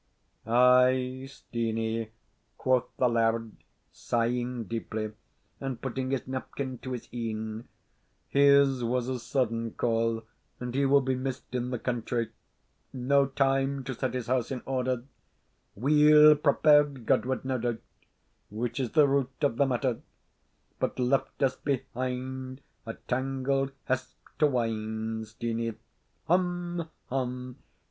"Ay, Steenie," quoth the laird, sighing deeply, and putting his napkin to his een, "his was a sudden call, and he will be missed in the country; no time to set his house in order weel prepared Godward, no doubt, which is the root of the matter; but left us behind a tangled hesp to wind, Steenie. Hem! Hem!